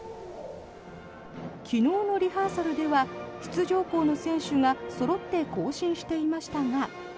昨日のリハーサルでは出場校の選手がそろって行進していましたが。